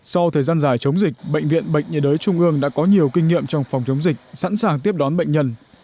sau thời gian dài chống dịch bệnh viện bệnh nhiệt đới trung ương đã có nhiều kinh nghiệm trong phòng chống dịch sẵn sàng tiếp đón bệnh nhân